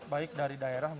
baik dari daerah